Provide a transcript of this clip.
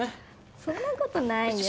そんなことないよ